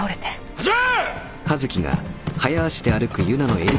始め！